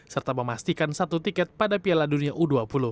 serta memastikan satu tiket pada piala dunia u dua puluh